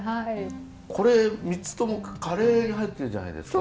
これ３つともカレーに入ってるじゃないですか？